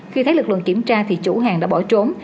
khi thấy lực lượng kiểm tra thì chủ hàng đã bỏ trốn